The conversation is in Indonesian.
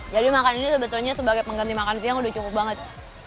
jadi makan ini sebetulnya sebagai pengganti makan siang udah cukup banget